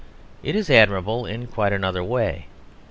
It is admirable in quite another way.